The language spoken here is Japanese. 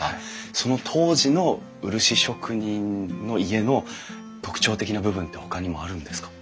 その当時の漆職人の家の特徴的な部分ってほかにもあるんですか？